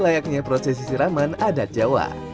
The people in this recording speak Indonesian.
layaknya prosesi siraman adat jawa